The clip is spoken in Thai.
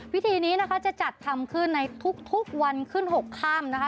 พิธีนี้นะคะจะจัดทำขึ้นในทุกวันขึ้น๖ค่ำนะคะ